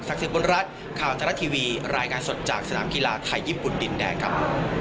สิทธิบุญรัฐข่าวทรัฐทีวีรายงานสดจากสนามกีฬาไทยญี่ปุ่นดินแดงครับ